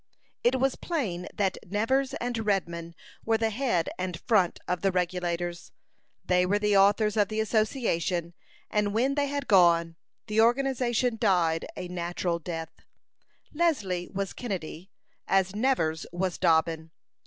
It was plain that Nevers and Redman were the head and front of the Regulators. They were the authors of the association, and when they had gone, the organization died a natural death. Leslie was Kennedy, as Nevers was Dobbin.